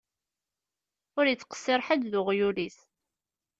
Ur ittqessir ḥedd d uɣyul-is.